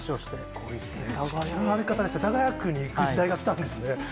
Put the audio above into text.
すごいですね、地球の歩き方で、世田谷区が出る時代が来たんですね。